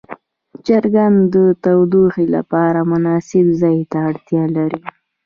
چرګان د تودوخې لپاره مناسب ځای ته اړتیا لري.